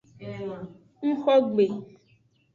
Ngxo gbe.